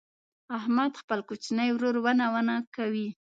احمد خپل کوچنی ورور ونه ونه کوي.